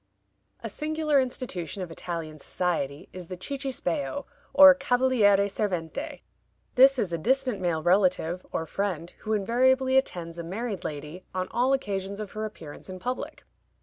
A singular institution of Italian society is the Cicisbeo, or Cavaliere Servente. This is a distant male relative, or friend, who invariably attends a married lady on all occasions of her appearance in public.